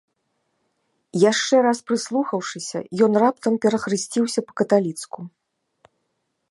Яшчэ раз прыслухаўшыся, ён раптам перахрысціўся па-каталіцку.